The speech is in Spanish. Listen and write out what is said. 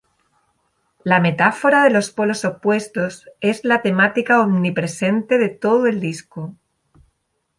La metáfora de los polos opuestos es la temática omnipresente de todo el disco.